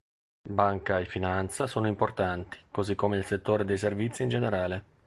Banca e finanza sono importanti, così come il settore dei servizi in generale.